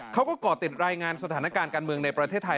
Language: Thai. ก่อติดรายงานสถานการณ์การเมืองในประเทศไทย